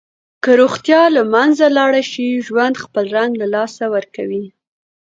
که روغتیا له منځه لاړه شي، ژوند خپل رنګ له لاسه ورکوي.